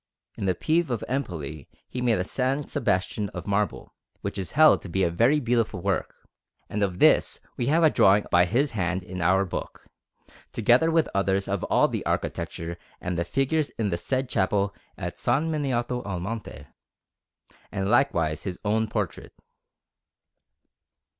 In the Pieve of Empoli he made a S. Sebastian of marble, which is held to be a very beautiful work; and of this we have a drawing by his hand in our book, together with others of all the architecture and the figures in the said chapel in S. Miniato al Monte, and likewise his own portrait.